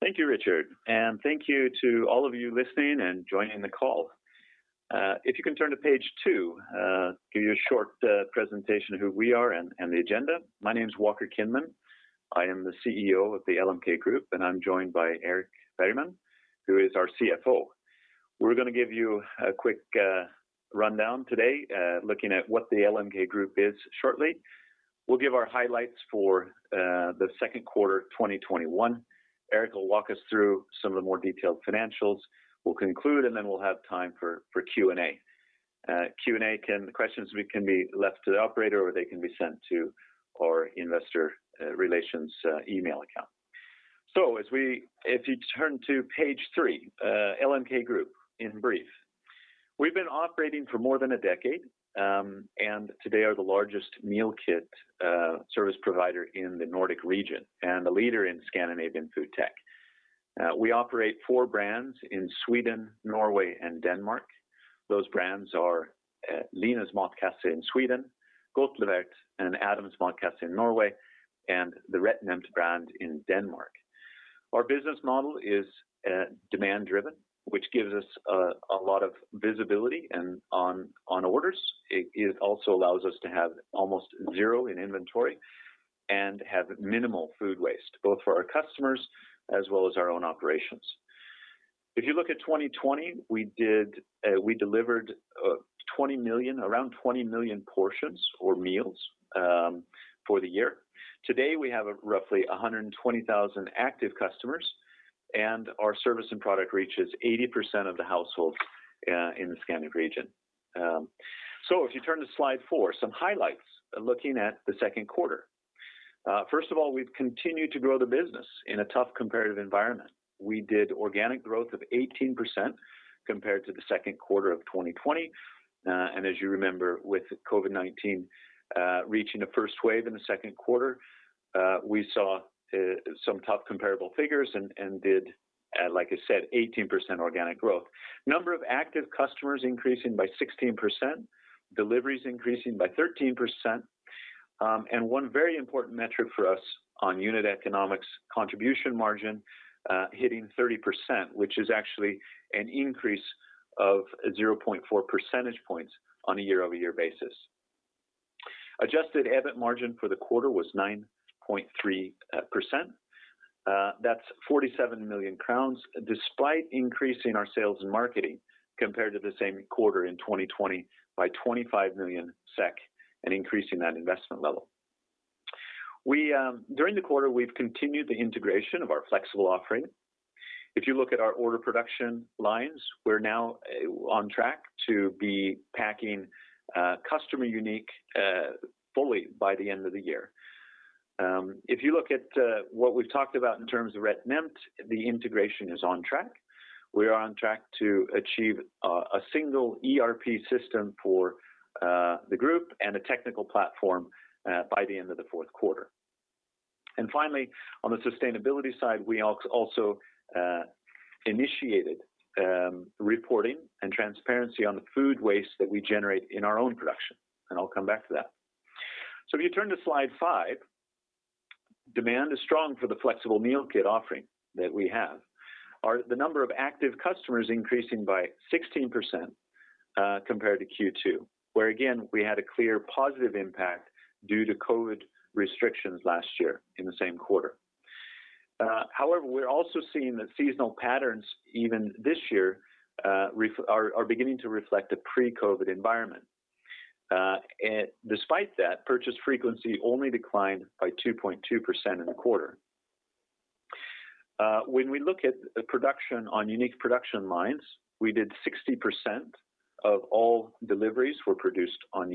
Thank you, Richard, and thank you to all of you listening and joining the call. If you can turn to page two, give you a short presentation of who we are and the agenda. My name's Walker Kinman. I am the CEO of the LMK Group. I'm joined by Erik Bergman, who is our CFO. We're going to give you a quick rundown today, looking at what the LMK Group is shortly. We'll give our highlights for the second quarter 2021. Erik will walk us through some of the more detailed financials. We'll conclude. Then we'll have time for Q&A. Q&A, the questions can be left to the operator, or they can be sent to our investor relations email account. If you turn to page three, LMK Group in brief. We've been operating for more than a decade, and today are the largest meal kit service provider in the Nordic region, and a leader in Scandinavian food tech. We operate four brands in Sweden, Norway, and Denmark. Those brands are Linas Matkasse in Sweden, Godtlevert and Adams Matkasse in Norway, and the RetNemt brand in Denmark. Our business model is demand-driven, which gives us a lot of visibility on orders. It also allows us to have almost zero in inventory and have minimal food waste, both for our customers as well as our own operations. If you look at 2020, we delivered around 20 million portions or meals for the year. Today, we have roughly 120,000 active customers, and our service and product reaches 80% of the households in the Scandinavian region. If you turn to slide four, some highlights looking at the second quarter. First of all, we've continued to grow the business in a tough competitive environment. We did organic growth of 18% compared to the second quarter of 2020. As you remember, with COVID-19 reaching a first wave in the second quarter, we saw some tough comparable figures and did, like I said, 18% organic growth. Number of active customers increasing by 16%, deliveries increasing by 13%, and one very important metric for us on unit economics contribution margin, hitting 30%, which is actually an increase of 0.4 percentage points on a year-over-year basis. Adjusted EBIT margin for the quarter was 9.3%. That's 47 million crowns, despite increasing our sales and marketing compared to the same quarter in 2020 by 25 million SEK and increasing that investment level. During the quarter, we've continued the integration of our flexible offering. If you look at our order production lines, we're now on track to be packing customer-unique fully by the end of the year. If you look at what we've talked about in terms of RetNemt, the integration is on track. We are on track to achieve a single ERP system for the group and a technical platform by the end of the fourth quarter. Finally, on the sustainability side, we also initiated reporting and transparency on the food waste that we generate in our own production, and I'll come back to that. If you turn to slide 5, demand is strong for the flexible meal kit offering that we have. The number of active customers increasing by 16% compared to Q2, where again, we had a clear positive impact due to COVID restrictions last year in the same quarter. We're also seeing that seasonal patterns even this year are beginning to reflect a pre-COVID environment. Despite that, purchase frequency only declined by 2.2% in the quarter. When we look at production on unique production lines, we did 60% of all deliveries were produced on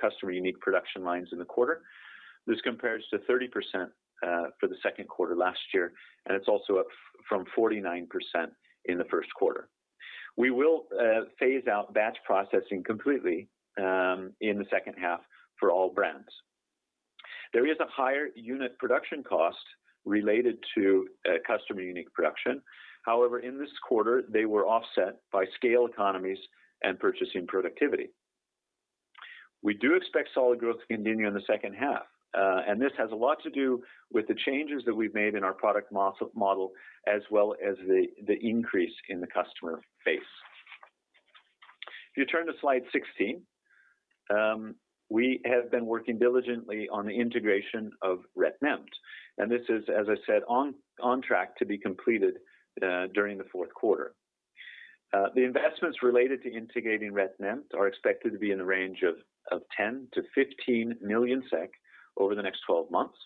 customer-unique production lines in the quarter. This compares to 30% for the second quarter last year, and it's also up from 49% in the first quarter. We will phase out batch processing completely in the second half for all brands. There is a higher unit production cost related to customer-unique production. In this quarter, they were offset by scale economies and purchasing productivity. We do expect solid growth to continue in the second half. This has a lot to do with the changes that we've made in our product model as well as the increase in the customer base. If you turn to slide 16, we have been working diligently on the integration of RetNemt, this is, as I said, on track to be completed during the fourth quarter. The investments related to integrating RetNemt are expected to be in the range of 10 million-15 million SEK over the next 12 months.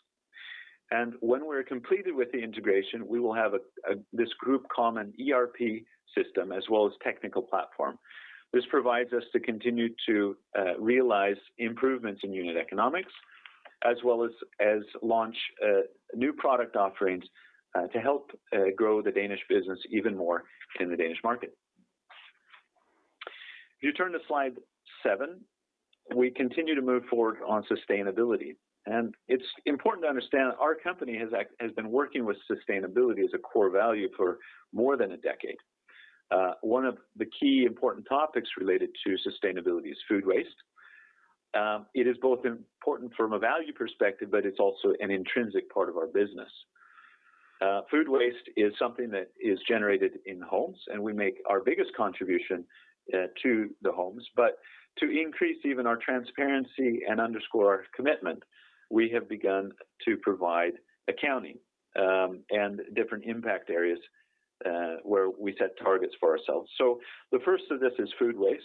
When we're completed with the integration, we will have this group common ERP system as well as technical platform. This provides us to continue to realize improvements in unit economics, as well as launch new product offerings to help grow the Danish business even more in the Danish market. If you turn to slide 7, we continue to move forward on sustainability. It's important to understand our company has been working with sustainability as a core value for more than a decade. One of the key important topics related to sustainability is food waste. It is both important from a value perspective, but it's also an intrinsic part of our business. Food waste is something that is generated in homes, and we make our biggest contribution to the homes. To increase even our transparency and underscore our commitment, we have begun to provide accounting, and different impact areas, where we set targets for ourselves. The first of this is food waste.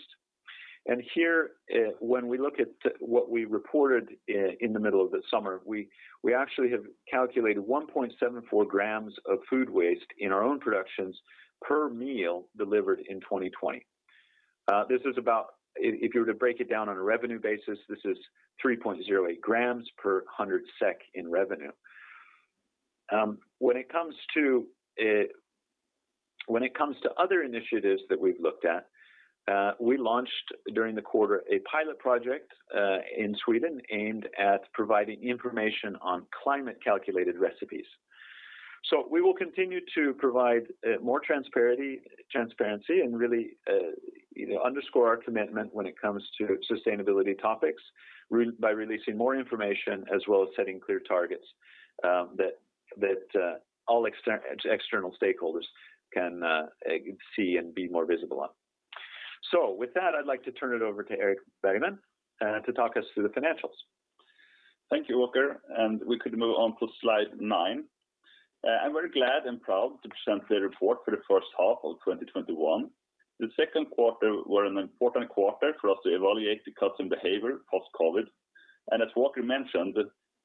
Here, when we look at what we reported in the middle of the summer, we actually have calculated 1.74 grams of food waste in our own productions per meal delivered in 2020. If you were to break it down on a revenue basis, this is 3.08 grams per 100 SEK in revenue. When it comes to other initiatives that we've looked at, we launched, during the quarter, a pilot project in Sweden aimed at providing information on climate-calculated recipes. We will continue to provide more transparency and really underscore our commitment when it comes to sustainability topics by releasing more information, as well as setting clear targets that all external stakeholders can see and be more visible on. With that, I'd like to turn it over to Erik Bergman to talk us through the financials. Thank you, Walker. We could move on to slide 9. I'm very glad and proud to present the report for the 1st half of 2021. The second quarter was an important quarter for us to evaluate the customer behavior post-COVID. As Walker mentioned,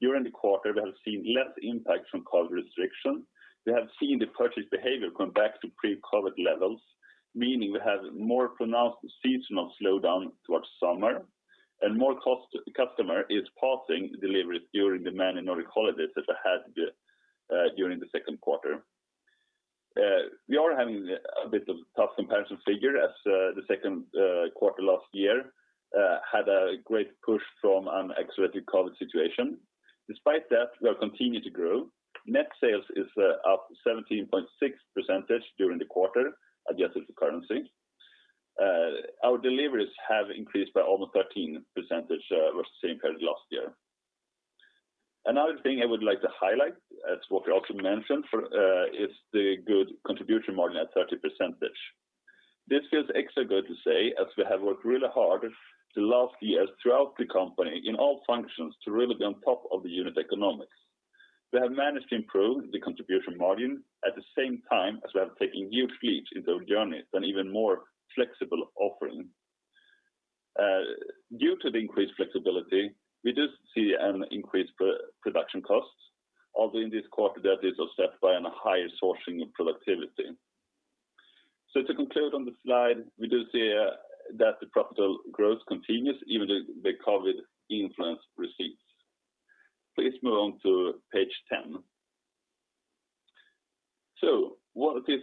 during the quarter, we have seen less impact from COVID restriction. We have seen the purchase behavior come back to pre-COVID levels, meaning we have more pronounced seasonal slowdown towards summer, and more customer is pausing deliveries during the many Nordic holidays that they had during the second quarter. We are having a bit of tough comparison figure as the second quarter last year had a great push from an accelerated COVID situation. Despite that, we are continuing to grow. Net sales is up 17.6% during the quarter, adjusted for currency. Our deliveries have increased by almost 13% versus the same period last year. Another thing I would like to highlight, as Walker also mentioned, is the good contribution margin at 30%. This feels extra good to say, as we have worked really hard the last years throughout the company in all functions to really be on top of the unit economics. We have managed to improve the contribution margin at the same time as we have taken huge leaps in the journey with an even more flexible offering. Due to the increased flexibility, we do see an increase for production costs, although in this quarter that is offset by a higher sourcing and productivity. To conclude on the slide, we do see that the profitable growth continues even though the COVID influence recedes. Please move on to page 10. What is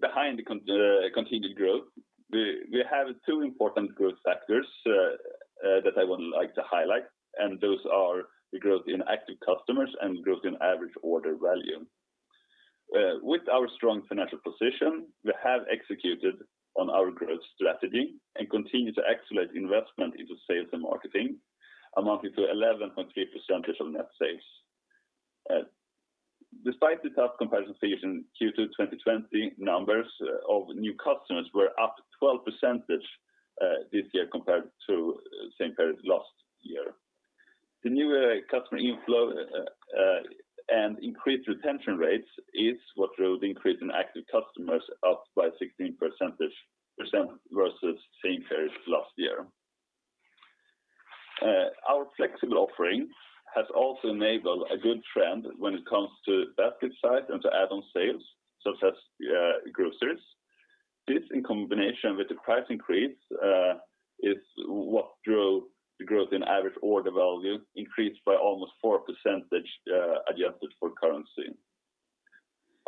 behind the continued growth? We have two important growth factors that I would like to highlight, and those are the growth in active customers and growth in average order value. With our strong financial position, we have executed on our growth strategy and continue to accelerate investment into sales and marketing, amounting to 11.3% of net sales. Despite the tough comparison figures in Q2 2020, numbers of new customers were up 12% this year compared to the same period last year. The new customer inflow and increased retention rates is what drove the increase in active customers up by 16% versus the same period last year. Our flexible offering has also enabled a good trend when it comes to basket size and to add-on sales, such as groceries. This, in combination with the price increase, is what drove the growth in average order value increased by almost 4% adjusted for currency.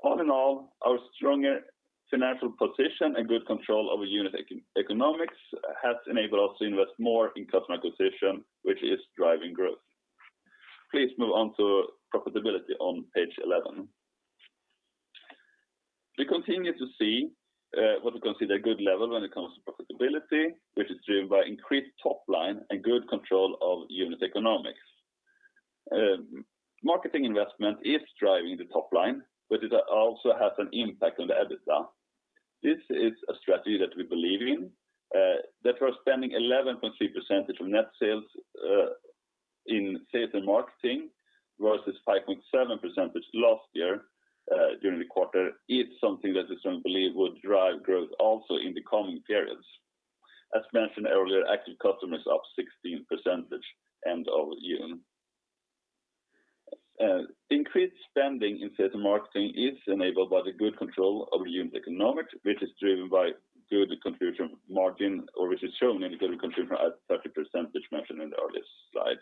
All in all, our stronger financial position and good control over unit economics has enabled us to invest more in customer acquisition, which is driving growth. Please move on to profitability on page 11. We continue to see what we consider a good level when it comes to profitability, which is driven by increased top line and good control of unit economics. Marketing investment is driving the top line, but it also has an impact on the EBITDA. This is a strategy that we believe in, that we're spending 11.3% of net sales in sales and marketing—versus 5.7% last year during the quarter is something that we strongly believe will drive growth also in the coming periods. As mentioned earlier, active customers up 16% end of June. Increased spending in sales and marketing is enabled by the good control over unit economics, which is driven by good contribution margin or which is shown in the good contribution at 30% mentioned in the earlier slide.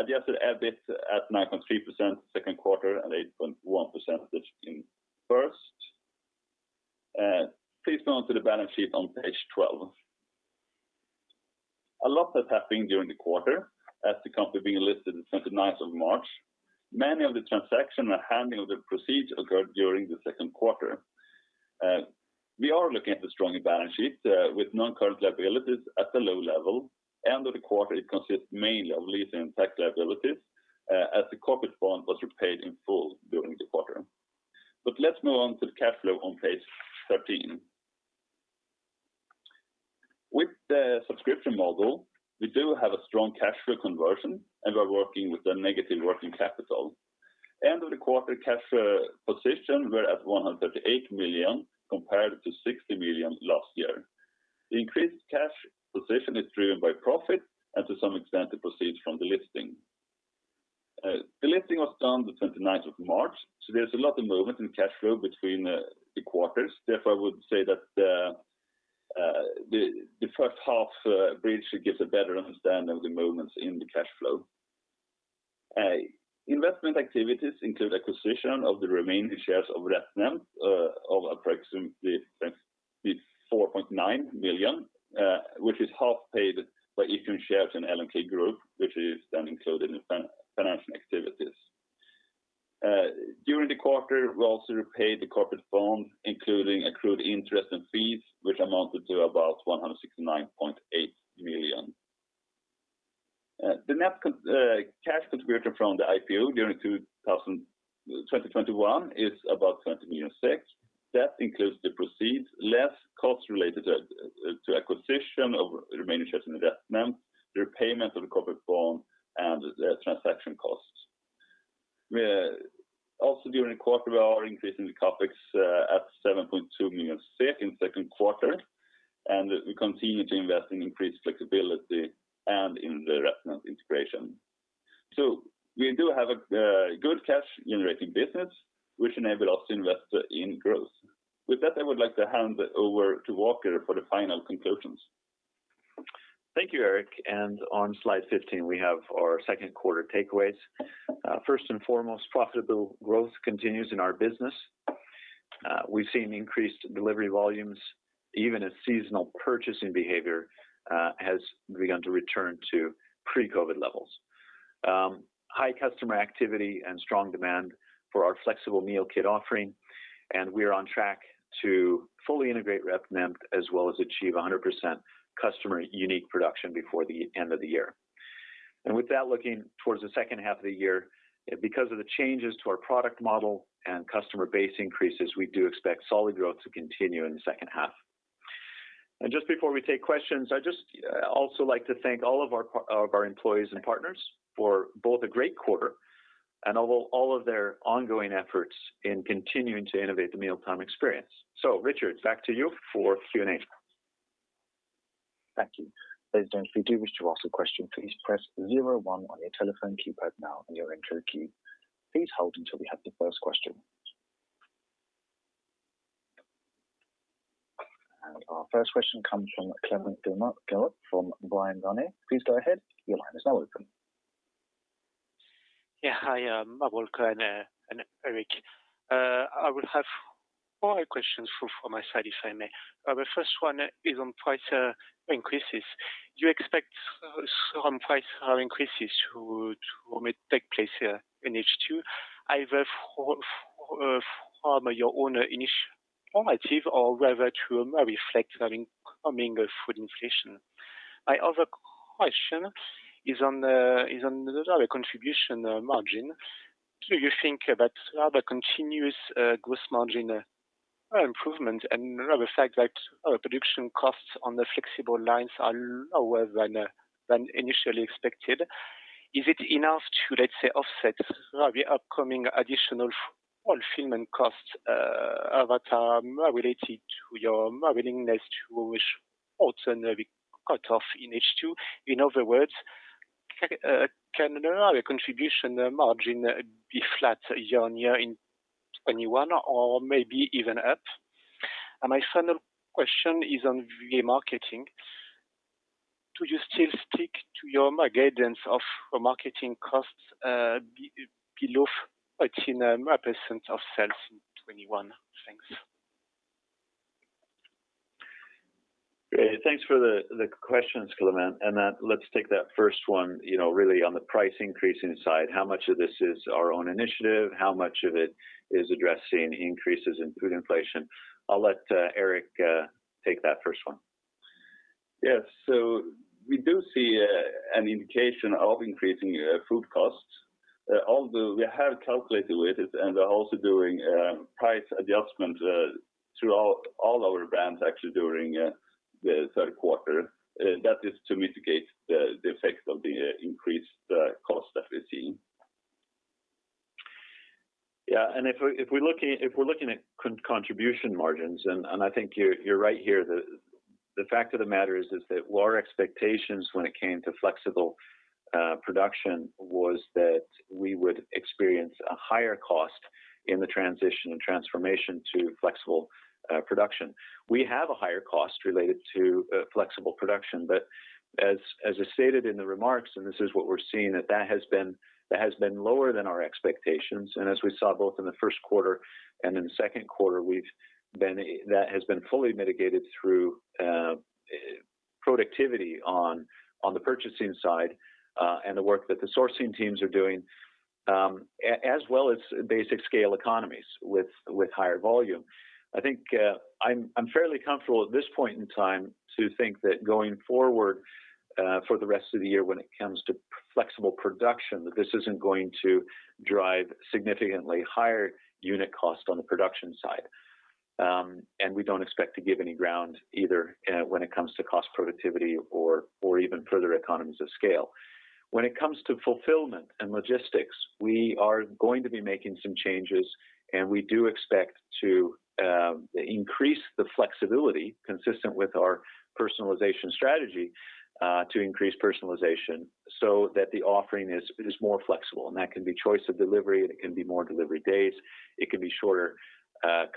Adjusted EBIT at 9.3% second quarter and 8.1% in first. Please go on to the balance sheet on page 12. A lot has happened during the quarter as the company being listed the 29th of March. Many of the transaction and handling of the proceeds occurred during the second quarter. We are looking at the strong balance sheet with non-current liabilities at a low level. End of the quarter, it consists mainly of leasing tax liabilities as the corporate bond was repaid in full during the quarter. Let's move on to the cash flow on page 13. With the subscription model, we do have a strong cash flow conversion, and we're working with a negative working capital. End of the quarter cash position, we're at 138 million compared to 60 million last year. The increased cash position is driven by profit and to some extent, the proceeds from the listing. The listing was done the 29th of March, so there's a lot of movement in cash flow between the quarters. Therefore, I would say that the first half bridge gives a better understanding of the movements in the cash flow. Investment activities include acquisition of the remaining shares of RetNemt of approximately 4.9 million, which is half paid by issued shares in LMK Group, which is then included in financial activities. During the quarter, we also repaid the corporate bond, including accrued interest and fees, which amounted to about 169.8 million. The net cash contributed from the IPO during 2021 is about 20.6 million. That includes the proceeds less costs related to acquisition of remaining shares in RetNemt, repayment of the corporate bond, and the transaction costs. During the quarter, we are increasing the CapEx at 7.2 million in second quarter, and we continue to invest in increased flexibility and in the RetNemt integration. We do have a good cash-generating business, which enabled us to invest in growth. With that, I would like to hand over to Walker for the final conclusions. Thank you, Erik. On slide 15, we have our second quarter takeaways. First and foremost, profitable growth continues in our business. We've seen increased delivery volumes, even as seasonal purchasing behavior has begun to return to pre-COVID levels. High customer activity and strong demand for our flexible meal kit offering, and we are on track to fully integrate RetNemt as well as achieve 100% customer-unique production before the end of the year. With that, looking towards the second half of the year, because of the changes to our product model and customer base increases, we do expect solid growth to continue in the second half. Just before we take questions, I'd just also like to thank all of our employees and partners for both a great quarter and all of their ongoing efforts in continuing to innovate the mealtime experience. Richard, back to you for Q&A. Thank you. Ladies and gentlemen, if you do wish to ask a question, please press zero one on your telephone keypad now and your entry key. Please hold until we have the first question. Our first question comes from Clément Genelot from Bryan, Garnier. Please go ahead. Your line is now open. Yeah. Hi, Walker and Erik. I would have four questions from my side, if I may. The first one is on price increases. Do you expect some price increases to take place here in H2, either from your own initiative or whether to reflect the incoming food inflation? My other question is on the contribution margin. Do you think that the continuous gross margin improvement and the fact that our production costs on the flexible lines are lower than initially expected, is it enough to, let's say, offset the upcoming additional fulfillment costs that are more related to your willingness to which also be cut off in H2? In other words, can the contribution margin be flat year-on-year in 2021 or maybe even up? My final question is on the marketing. Do you still stick to your guidance of marketing costs below 18% of sales in 2021? Thanks. Great. Thanks for the questions, Clément. Let's take that first one, really on the price increasing side, how much of this is our own initiative? How much of it is addressing increases in food inflation? I'll let Erik take that first one. Yes. We do see an indication of increasing food costs. Although we have calculated with it and are also doing price adjustment through all our brands actually during the third quarter. That is to mitigate the effects of the increased cost that we're seeing. Yeah. If we're looking at contribution margins, I think you're right here. The fact of the matter is that our expectations when it came to flexible production was that we would experience a higher cost in the transition and transformation to flexible production. We have a higher cost related to flexible production, as I stated in the remarks, this is what we're seeing, that has been lower than our expectations. As we saw both in the first quarter and in the second quarter, that has been fully mitigated through productivity on the purchasing side and the work that the sourcing teams are doing, as well as basic scale economies with higher volume. I think I'm fairly comfortable at this point in time to think that going forward for the rest of the year when it comes to flexible production, that this isn't going to drive significantly higher unit cost on the production side. We don't expect to give any ground either when it comes to cost productivity or even further economies of scale. When it comes to fulfillment and logistics, we are going to be making some changes, and we do expect to increase the flexibility consistent with our personalization strategy to increase personalization so that the offering is more flexible, and that can be choice of delivery, it can be more delivery days, it can be shorter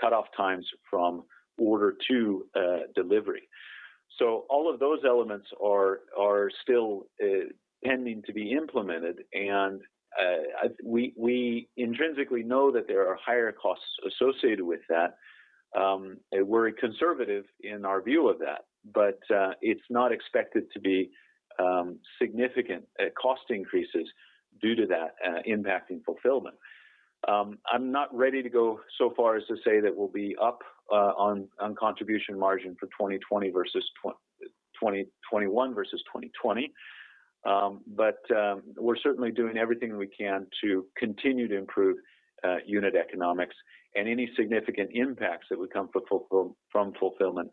cutoff times from order to delivery. All of those elements are still pending to be implemented, and we intrinsically know that there are higher costs associated with that. We're conservative in our view of that. It's not expected to be significant cost increases due to that impacting fulfillment. I'm not ready to go so far as to say that we'll be up on contribution margin for 2021 versus 2020. We're certainly doing everything we can to continue to improve unit economics. Any significant impacts that would come from fulfillment,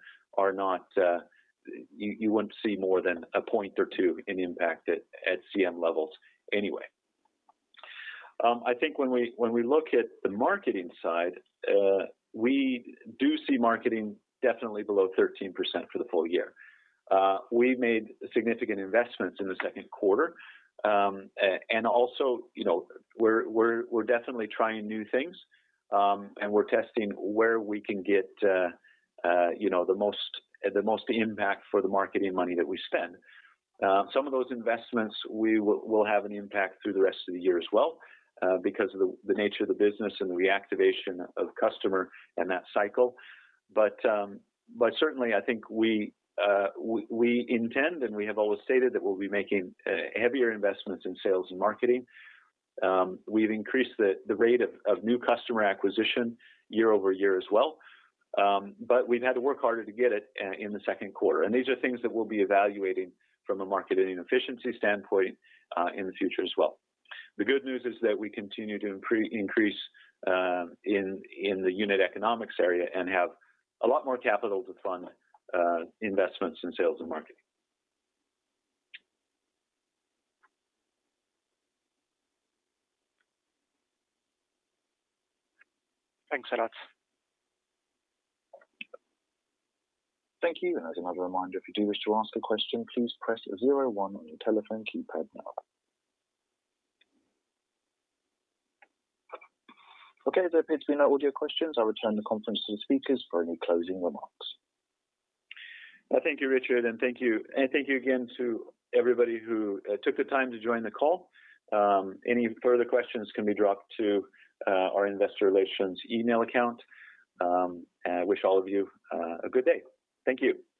you wouldn't see more than a point or two in impact at CM levels anyway. I think when we look at the marketing side, we do see marketing definitely below 13% for the full year. We made significant investments in the second quarter. Also, we're definitely trying new things, and we're testing where we can get the most impact for the marketing money that we spend. Some of those investments will have an impact through the rest of the year as well because of the nature of the business and the reactivation of customer and that cycle. Certainly, I think we intend, and we have always stated that we'll be making heavier investments in sales and marketing. We've increased the rate of new customer acquisition year-over-year as well, but we've had to work harder to get it in the second quarter. These are things that we'll be evaluating from a marketing efficiency standpoint in the future as well. The good news is that we continue to increase in the unit economics area and have a lot more capital to fund investments in sales and marketing. Thanks a lot. Thank you. As another reminder, if you do wish to ask a question, please press zero one on your telephone keypad now. Okay, it appears we have no audio questions. I'll return the conference to the speakers for any closing remarks. Thank you, Richard, and thank you again to everybody who took the time to join the call. Any further questions can be dropped to our investor relations email account. I wish all of you a good day. Thank you.